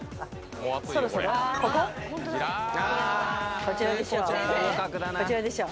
こちらでしょ。